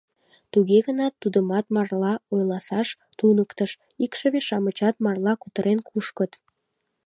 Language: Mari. Туге гынат тудымат марла ойласаш туныктыш, икшыве-шамычат марла кутырен кушкыт.